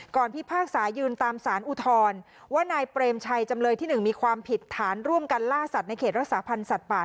พิพากษายืนตามสารอุทธรณ์ว่านายเปรมชัยจำเลยที่๑มีความผิดฐานร่วมกันล่าสัตว์ในเขตรักษาพันธ์สัตว์ป่า